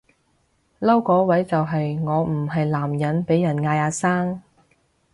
嬲個位就係我唔係男人被人嗌阿生